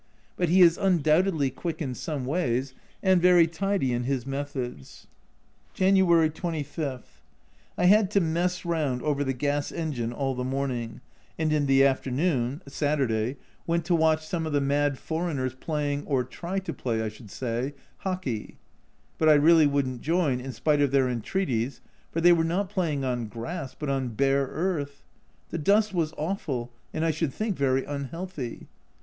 But he is undoubtedly quick in some ways and very tidy in his methods. January 25. I had to mess round over the gas engine all the morning, and in the afternoon (Saturday) 94 A Journal from Japan went to watch some of the mad foreigners playing, or trying to play, I should say, Hockey. They were only six a side, but I really wouldn't join in spite of their entreaties, for they were not playing on grass, but on bare earth \ The dust was awful, and I should think very unhealthy.